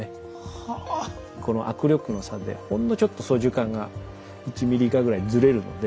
この握力の差でほんのちょっと操縦かんが１ｍｍ以下ぐらいずれるので。